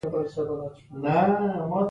زه نن په کور کې نه یم، ته سبا راشه!